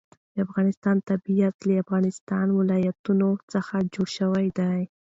د افغانستان طبیعت له د افغانستان ولايتونه څخه جوړ شوی دی.